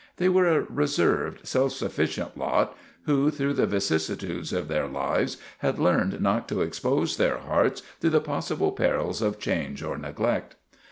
They were a reserved, self sufficient lot who, through the vicissitudes of their lives, had learned not to expose their hearts to the possible perils of change or neglect.